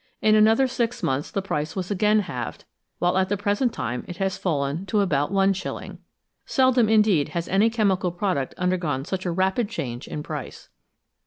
In another six months the price was again halved, while at the present time it has fallen to about Is. Seldom indeed has any chemical product undergone such a rapid change in price.